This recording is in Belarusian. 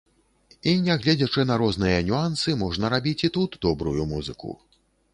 І нягледзячы на розныя нюансы можна рабіць і тут добрую музыку.